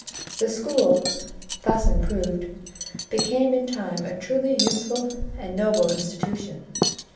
The school, thus improved, became in time a truly useful and noble institution.